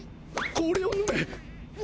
これを飲め！